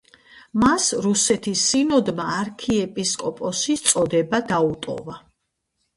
მას რუსეთის სინოდმა არქიეპისკოპოსის წოდება დაუტოვა.